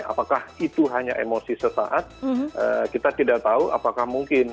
apakah itu hanya emosi sesaat kita tidak tahu apakah mungkin